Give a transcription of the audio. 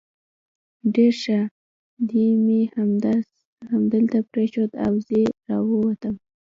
ډېر ښه، دی مې همدلته پرېښود او ځنې را ووتم.